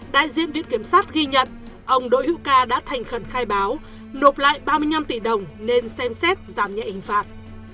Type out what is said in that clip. đại diện viện kiểm sát ghi nhận ông đỗ hữu ca đã thành khẩn khai báo nộp lại ba mươi năm tỷ đồng nên xem xét giảm nhẹ hình phạt